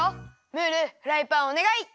ムールフライパンおねがい。